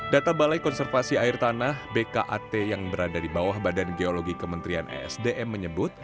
data balai konservasi air tanah bkat yang berada di bawah badan geologi kementerian esdm menyebut